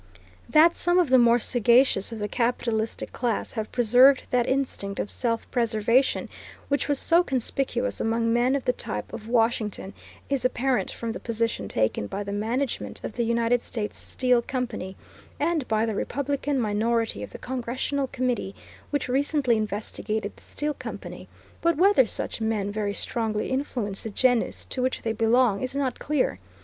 That some of the more sagacious of the capitalistic class have preserved that instinct of self preservation which was so conspicuous among men of the type of Washington, is apparent from the position taken by the management of the United States Steel Company, and by the Republican minority of the Congressional Committee which recently investigated the Steel Company; but whether such men very strongly influence the genus to which they belong is not clear.